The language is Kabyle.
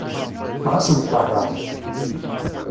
Ɣas ad nṭerreɣ.